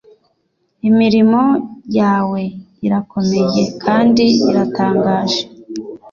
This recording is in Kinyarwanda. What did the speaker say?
imirimo yawe irakomeye kandi iratangaje.